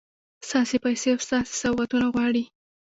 ستاسو پیسې او ستاسو سوغاتونه غواړي.